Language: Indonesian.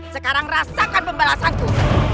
sekarang rasakan pembalasanku